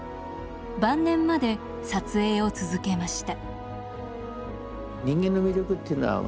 晩年まで撮影を続けました。